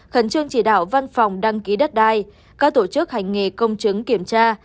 khẩn trương chỉ đạo văn phòng đăng ký đất đai các tổ chức hành nghề công chứng kiểm tra